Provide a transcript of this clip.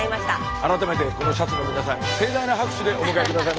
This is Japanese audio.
改めてこのシャツを皆さん盛大な拍手でお迎え下さいませ。